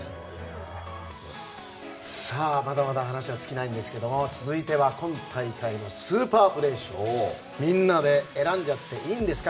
まだまだ話は尽きないんですが続いては今大会のスーパープレー集をみんなで選んじゃっていいんですか？